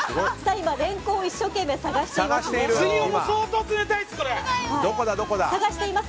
今、レンコンを一生懸命探しています。